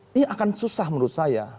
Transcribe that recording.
ini akan susah menurut saya